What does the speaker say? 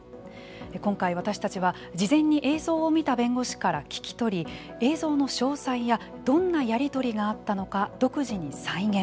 今回私たちは事前に映像を見た弁護士から聞き取り映像の詳細やどんなやり取りがあったのか独自に再現。